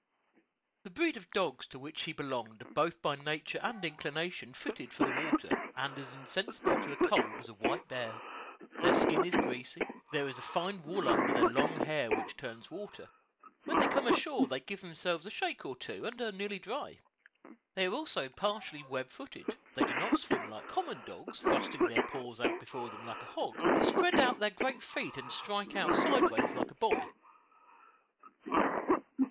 The breed of dogs to which he belonged are both by nature and inclination fitted for the water, and as insensible to the cold as a white bear. Their skin is greasy; there is a fine wool under their long hair which turns water; when they come ashore they give themselves a shake or two and are nearly dry. They are also partially web footed; they do not swim like common dogs, thrusting their paws out before them like a hog, but spread out their great feet and strike out sidewise like a boy.